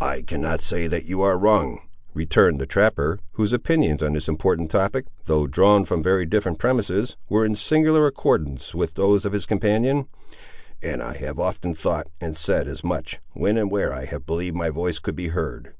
"I cannot say that you are wrong," returned the trapper, whose opinions on this important topic, though drawn from very different premises, were in singular accordance with those of his companion, "and I have often thought and said as much, when and where I have believed my voice could be heard.